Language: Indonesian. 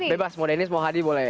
bebas mau deniz mau hadi boleh